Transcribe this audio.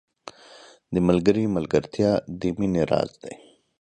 • د ملګري ملګرتیا د مینې راز دی.